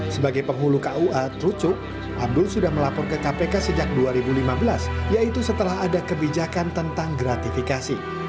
sebagai penghulu kua trucuk abdul sudah melapor ke kpk sejak dua ribu lima belas yaitu setelah ada kebijakan tentang gratifikasi